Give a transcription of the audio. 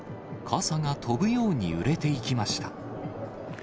傘が飛ぶように売れていきました。